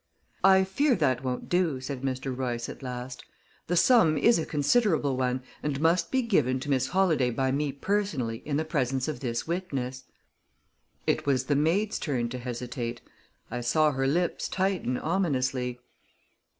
"I fear that won't do," said Mr. Royce at last. "The sum is a considerable one, and must be given to Miss Holladay by me personally in the presence of this witness." It was the maid's turn to hesitate; I saw her lips tighten ominously.